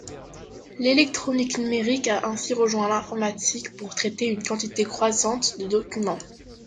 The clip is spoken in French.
L'électronique numérique a ainsi rejoint l'informatique pour traiter une quantité croissante de documents.